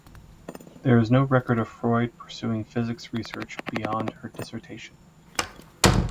There is no record of Freud pursuing physics research beyond her dissertation.